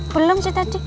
belum sih tati